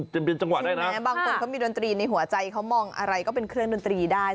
ได้หมดใช่ไหมบางคนเขามีดนตรีในหัวใจเขามองอะไรก็เป็นเครื่องดนตรีได้